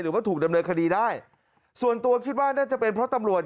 ว่าถูกดำเนินคดีได้ส่วนตัวคิดว่าน่าจะเป็นเพราะตำรวจ